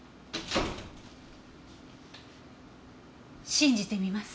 信じてみます。